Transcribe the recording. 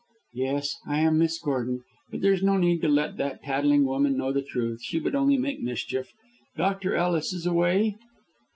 "Yes, I am Miss Gordon. But there is no need to let that tattling woman know the truth, she would only make mischief. Dr. Ellis is away?"